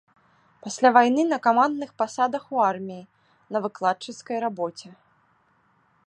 Пасля вайны на камандных пасадах у арміі, на выкладчыцкай рабоце.